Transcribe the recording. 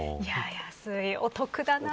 安い、お得だな。